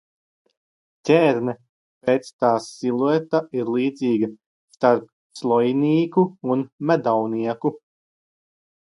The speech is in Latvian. Ķērne pēc tās silueta ir līdzīga starp sloinīku un medaunieku.